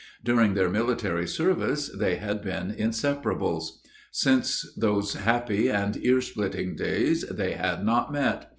During their military service they had been inseparables. Since those happy and ear splitting days they had not met.